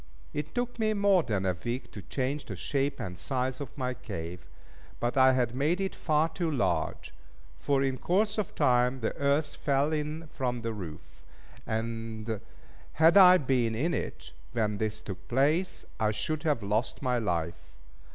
It took me more than a week to change the shape and size of my cave, but I had made it far too large; for in course of time the earth fell in from the roof; and had I been in it, when this took place, I should have lost my life.